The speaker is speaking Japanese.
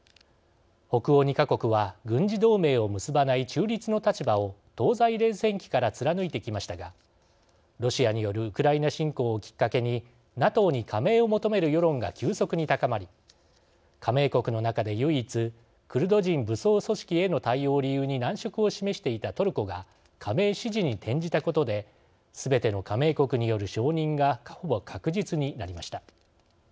北欧２か国は軍事同盟を結ばない中立の立場を東西冷戦期から貫いてきましたがロシアによるウクライナ侵攻をきっかけにＮＡＴＯに加盟を求める世論が急速に高まり、加盟国の中で唯一クルド人武装組織への対応を理由に難色を示していたトルコが加盟支持に転じたことですべての加盟国による承認がほぼ確実になりました。